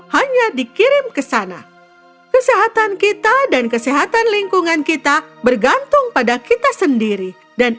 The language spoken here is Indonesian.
hanya dikirim ke sana kesehatan kita dan kesehatan lingkungan kita bergantung pada kita sendiri dan